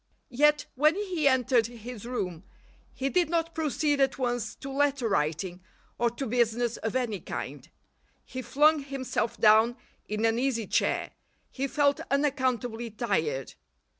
Yet when he entered his room he did not proceed at once to letter writing or to business of any kind. He flung himself down in an easy chair. He felt unaccountably tired.